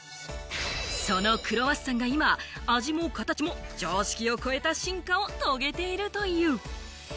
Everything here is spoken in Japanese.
そのクロワッサンが今、味も形も常識を超えた進化を遂げているという。